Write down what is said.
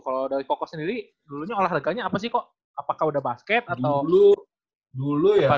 jadi koko sendiri dulunya olahraganya apa sih kok apakah udah basket atau apa dulu sih